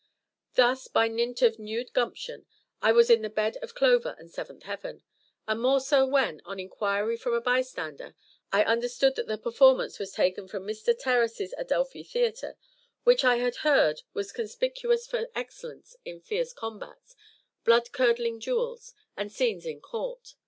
Thus, by dint of nude gumption, I was in the bed of clover and seventh heaven, and more so when, on inquiry from a bystander, I understood that the performance was taken from Mr TERRISS'S Adelphi Theatre, which I had heard was conspicuous for excellence in fierce combats, blood curdling duels, and scenes in court.